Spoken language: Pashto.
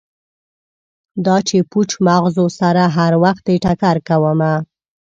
دا چې پوچ مغزو سره هروختې ټکر کومه